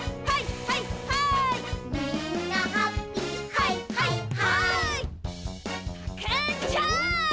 はい！